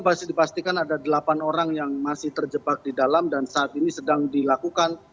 masih dipastikan ada delapan orang yang masih terjebak di dalam dan saat ini sedang dilakukan